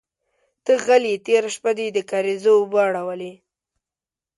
_ته غل يې، تېره شپه دې د کارېزه اوبه اړولې.